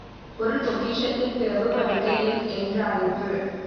பொருள் பொக்கிஷத்தில், பிரபு படுக்கையில் என்றாயிற்று.